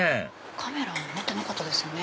カメラを持ってなかったですよね。